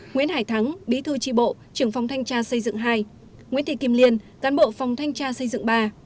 nguyễn hải thắng bí thư tri bộ trưởng phòng thanh tra xây dựng hai nguyễn thị kim liên cán bộ phòng thanh tra xây dựng ba